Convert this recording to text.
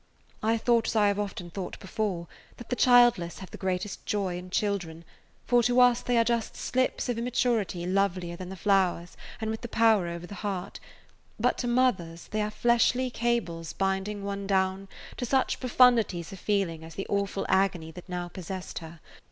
I thought, as I have often thought before, that the childless have the greatest joy in children, for to us they are just slips of immaturity lovelier than the flowers and with the power over the heart, but to mothers they are fleshly cables binding one down to such profundities of feeling as the awful agony that now possessed her.